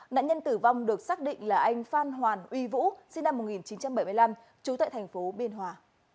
nạn nhân tử vong được xác định là anh phan hoàn uy vũ sinh năm một nghìn chín trăm bảy mươi năm trú tại thành phố biên hòa